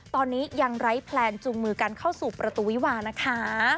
ตอนนี้ยังไร้แพลนจุงมือกันเข้าสู่ประตูวิวานะคะ